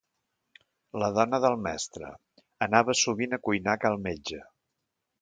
La dona del mestre, anava sovint a cuinar a cal metge.